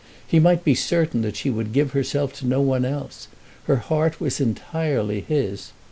He might be certain that she would give herself to no one else. Her heart was entirely his.